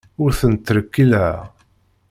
Ur tent-ttrekkileɣ.